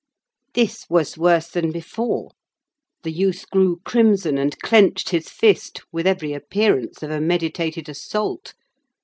This was worse than before: the youth grew crimson, and clenched his fist, with every appearance of a meditated assault.